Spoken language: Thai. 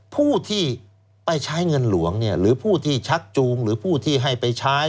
ผู้ที่ไปใช้เงินหลวงหรือผู้ที่ชักจูงหรือผู้ที่ให้ไปใช้